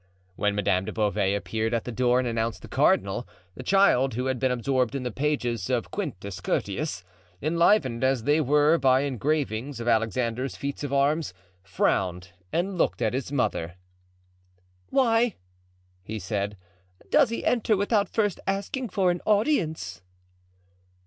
When Madame de Beauvais appeared at the door and announced the cardinal, the child, who had been absorbed in the pages of Quintus Curtius, enlivened as they were by engravings of Alexander's feats of arms, frowned and looked at his mother. "Why," he said, "does he enter without first asking for an audience?"